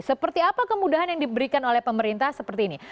seperti apa kemudahan yang diberikan oleh pemerintah seperti ini